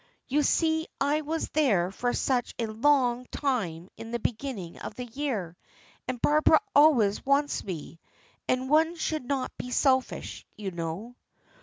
You see I was there for such a long time in the beginning of the year, and Barbara always wants me, and one should not be selfish you know."